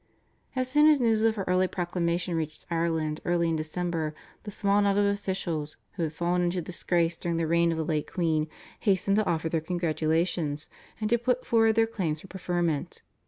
As soon as news of her proclamation reached Ireland early in December, the small knot of officials, who had fallen into disgrace during the reign of the late queen, hastened to offer their congratulations and to put forward their claims for preferment.